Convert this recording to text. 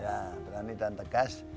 ya berani dan tegas